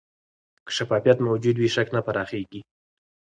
که شفافیت موجود وي، شک نه پراخېږي.